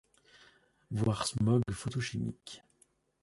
Voir smog photochimique.